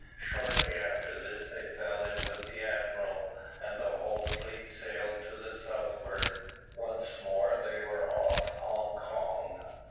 Shortly after this they fell in with the admiral, and the whole fleet sailed to the southward. Once more they were off Hong Kong.